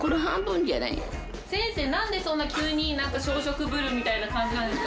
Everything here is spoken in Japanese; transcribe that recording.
先生、なんでそんな急になんか小食ぶるみたいな感じなんですか？